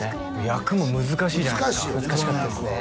役も難しいじゃないですか難しいよね